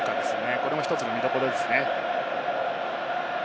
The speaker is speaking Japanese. これも１つの見どころですね。